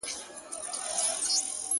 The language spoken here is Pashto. ته هم چایې په توده غېږ کي نیولی؟-!